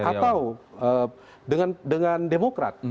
atau dengan demokrat